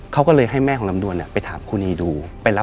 เขาก็เลยให้แม่ของลำดวนไปถามครูนีดู